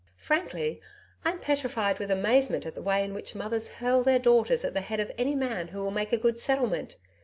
Frankly, I'm petrified with amazement at the way in which mothers hurl their daughters at the head of any man who will make a good settlement.